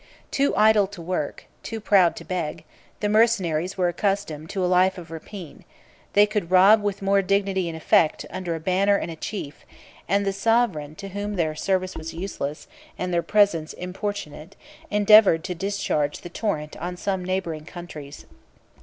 Too idle to work, too proud to beg, the mercenaries were accustomed to a life of rapine: they could rob with more dignity and effect under a banner and a chief; and the sovereign, to whom their service was useless, and their presence importunate, endeavored to discharge the torrent on some neighboring countries.